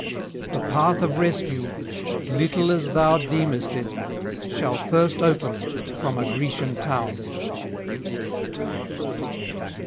The path of rescue, little as thou deemest it, shall first open from a Grecian town.'